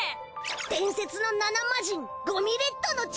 伝説の７マジンゴミレッドの力！